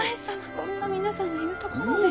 こんな皆さんのいるところで。